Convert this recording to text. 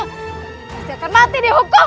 kau pasti akan mati di hukum